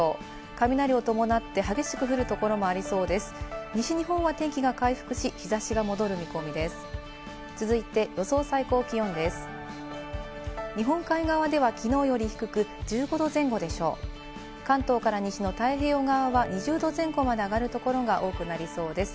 雷を伴って激しく降る所もありそうです。